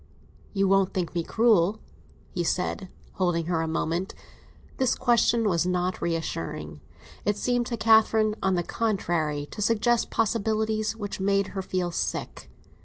"You won't think me cruel?" he said, holding her a moment. This question was not reassuring; it seemed to Catherine, on the contrary, to suggest possibilities which made her feel sick.